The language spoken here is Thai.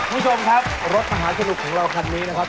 คุณผู้ชมครับรถมหาสนุกของเราคันนี้นะครับ